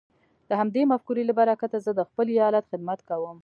د همدې مفکورې له برکته زه د خپل ايالت خدمت کوم.